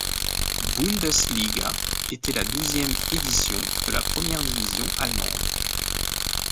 Bundesliga était la douzième édition de la première division allemande.